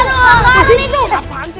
roberts yuk haduh